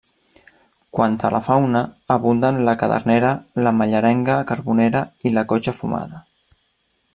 Quant a fauna, abunden la cadernera, la mallerenga carbonera i la cotxa fumada.